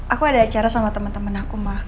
aku ada acara sama temen temen aku ma